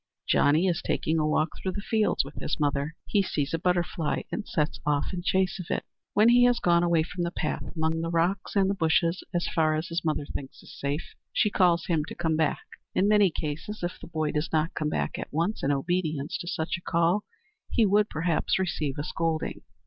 Johnny is taking a walk through the fields with his mother. He sees a butterfly and sets off in chase of it. When he has gone away from the path among the rocks and bushes as far as his mother thinks is safe, she calls him to come back. In many cases, if the boy does not come at once in obedience to such a call, he would perhaps receive a scolding.